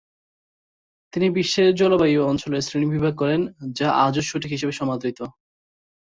তিনি বিশ্বের জলবায়ু অঞ্চলের শ্রেণিবিভাগ করেন, যা আজও সঠিক হিসেবে সমাদৃত।